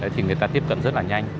thì người ta tiếp cận rất là nhanh